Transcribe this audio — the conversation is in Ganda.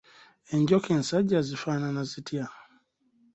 Enjoka ensajja zifaanana zitya?